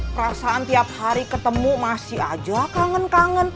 perasaan tiap hari ketemu masih aja kangen kangen